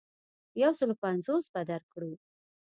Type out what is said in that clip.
یو سلو پنځوس به درکړو.